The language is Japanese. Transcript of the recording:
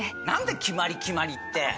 何だ決まり決まりって。